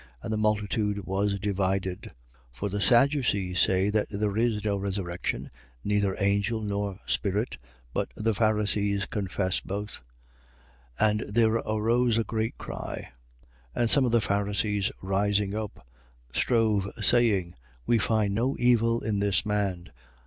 And the multitude was divided. 23:8. For the Sadducees say that there is no resurrection, neither angel, nor spirit: but the Pharisees confess both. 23:9. And there arose a great cry. And some of the Pharisees rising up, strove, saying: We find no evil in this man.